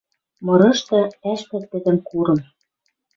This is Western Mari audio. Мырышты ӓштӓт тӹдӹм курым.